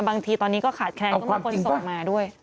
บางทีตอนนี้ก็ขาดแคลนก็มีคนส่งมาด้วย